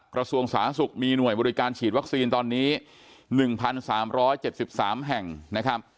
กระทรวงสาธารณสุขมีหน่วยบริการฉีดวัคซีนตอนนี้๑๓๗๓แห่งนะครับ